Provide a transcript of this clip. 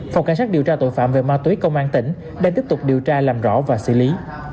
phòng cảnh sát điều tra tội phạm về ma túy công an tỉnh đang tiếp tục điều tra làm rõ và xử lý